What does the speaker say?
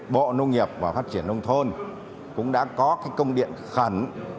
bộ nông nghiệp và phát triển nông thôn cũng đã có công điện khẩn